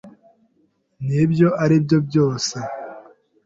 Nibyo aribyo byose?